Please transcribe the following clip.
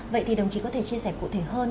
vậy thì đồng chí có thể chia sẻ cụ thể hơn